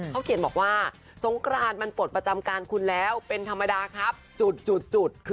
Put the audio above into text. เขาเขียนบอกว่าสงกรานมันปลดประจำการคุณแล้วเป็นธรรมดาครับจุด